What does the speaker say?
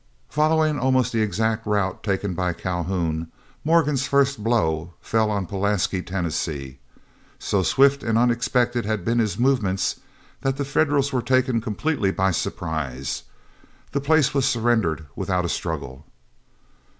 Following almost the exact route taken by Calhoun, Morgan's first blow fell on Pulaski, Tennessee. So swift and unexpected had been his movements that the Federals were taken completely by surprise. The place was surrendered without a struggle.